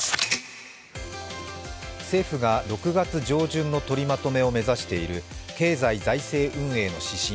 政府が６月上旬の取りまとめを目指している経済財政運営の指針